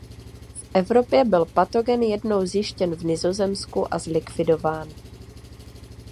V Evropě byl patogen jednou zjištěn v Nizozemsku a zlikvidován.